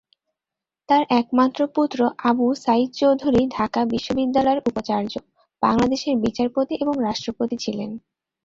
তার একমাত্র পুত্র আবু সাঈদ চৌধুরী ঢাকা বিশ্ববিদ্যালয়ের উপাচার্য, বাংলাদেশের বিচারপতি এবং রাষ্ট্রপতি ছিলেন।